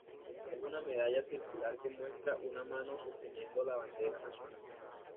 Es una medalla circular que muestra una mano sosteniendo la bandera nacional.